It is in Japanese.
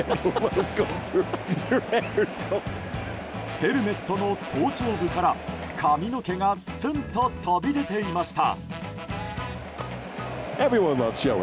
ヘルメットの頭頂部から髪の毛がツンと飛び出ていました。